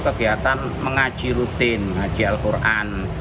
kegiatan mengaji rutin haji al quran